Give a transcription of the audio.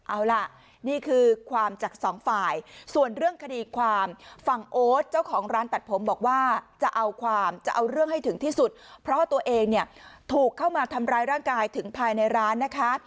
เอาล่ะนี่คือความจากสองฝ่ายส่วนเรื่องคดีความฝั่งโอ๊ตเจ้าของร้านตัดผมบอกว่าจะเอาความจะเอาเรื่องให้ถึงที่สุดเพราะตัวเองเนี่ยถูกเข้ามาทำร้ายร่างกายถึงภายในร้านนะคะ